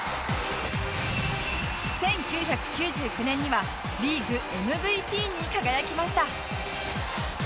１９９９年にはリーグ ＭＶＰ に輝きました